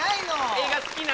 映画好きなの？